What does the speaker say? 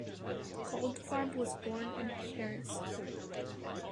Goldfarb was born in Paris.